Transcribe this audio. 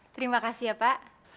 terima kasih ya pak